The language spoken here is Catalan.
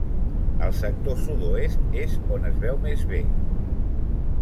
Al sector sud-oest és on es veu més bé.